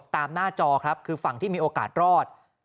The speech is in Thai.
หน้าจอครับคือฝั่งที่มีโอกาสรอด